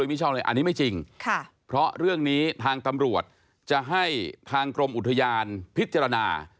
อันนี้ไม่จริงค่ะเพราะเรื่องนี้ทางตำรวจจะให้ทางกรมอุทยานพิจารณา